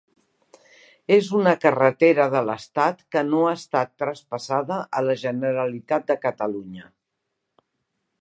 És una carretera de l'estat, que no ha estat traspassada a la Generalitat de Catalunya.